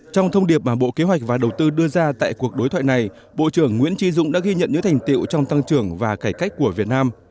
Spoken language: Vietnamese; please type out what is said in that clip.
trong thông điệp mà bộ kế hoạch và đầu tư đưa ra tại cuộc đối thoại này bộ trưởng nguyễn tri dũng đã ghi nhận những thành tiệu trong tăng trưởng và cải cách của việt nam